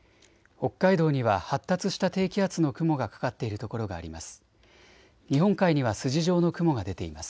北海道には発達した低気圧の雲がかかっているところがあります。